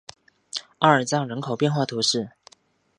阿尔藏人口变化图示